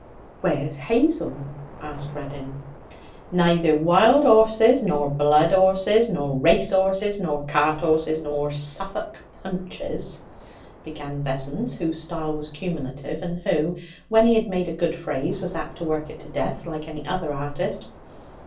'Where's Hazel?' asked Reddin. 'Neither wild 'orses, nor blood 'orses, nor race 'orses nor cart 'orses, nor Suffolk punches ' began Vessons whose style was cumulative, and who, when he had made a good phrase, was apt to work it to death like any other artist.